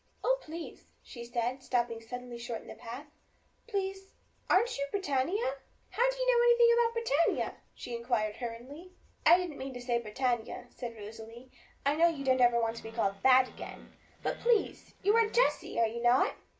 'Oh, please,' she said, stopping suddenly short in the path 'please, aren't you Britannia?' 'How do you know anything about Britannia?' she inquired hurriedly. 'I didn't mean to say Britannia,' said Rosalie. 'I know you don't ever want to be called that again; but, please, you are Jessie, are you not?'